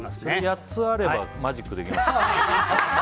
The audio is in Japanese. ８つあればマジックできますね。